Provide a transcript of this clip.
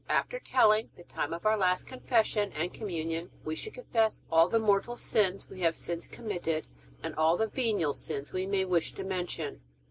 After telling the time of our last Confession and Communion we should confess all the mortal sins we have since committed, and all the venial sins we may wish to mention.